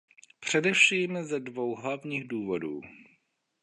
Především ze dvou hlavních důvodů.